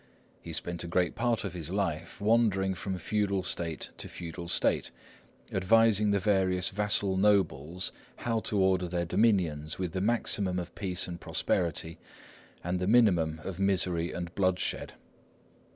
He spent a great part of his life wandering from feudal state to feudal state, advising the various vassal nobles how to order their dominions with the maximum of peace and prosperity and the minimum of misery and bloodshed.